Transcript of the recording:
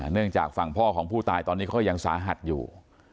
จากฝั่งพ่อของผู้ตายตอนนี้ก็ยังสาหัสอยู่